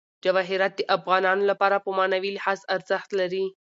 جواهرات د افغانانو لپاره په معنوي لحاظ ارزښت لري.